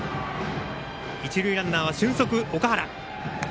一塁ランナーは俊足、岳原。